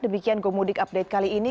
demikian gomudik update kali ini